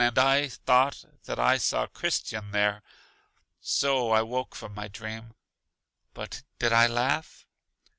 And I thought that I saw Christian there. So I woke from my dream. But did I laugh?